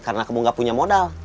karena kamu enggak punya modal